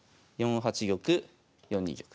４八玉４二玉。